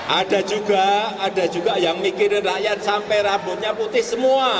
ada juga ada juga yang mikirin rakyat sampai rambutnya putih semua